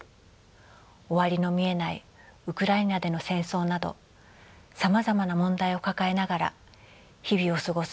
終わりの見えないウクライナでの戦争などさまざまな問題を抱えながら日々を過ごす